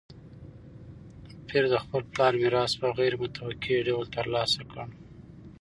پییر د خپل پلار میراث په غیر متوقع ډول ترلاسه کړ.